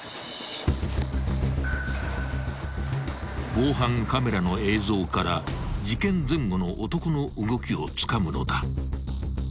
［防犯カメラの映像から事件前後の男の動きをつかむのだ］